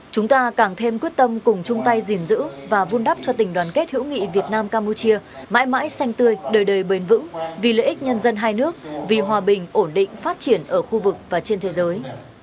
chúng ta càng thêm quyết tâm cùng chung tay gìn giữ và vun đắp cho tình đoàn kết hữu nghị việt nam campuchia mãi mãi xanh tươi đời đời bền vững vì lợi ích nhân dân hai nước vì hòa bình ổn định phát triển ở khu vực và trên thế giới